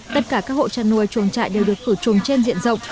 tất cả các hộ chăn nuôi chuồng trại đều được khử trùng trên diện rộng